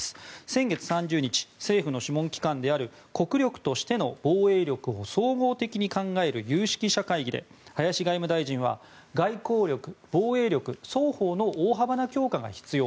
先月３０日政府の諮問機関である国力としての防衛力を総合的に考える有識者会議で林外務大臣は外交力・防衛力双方の大幅な強化が必要。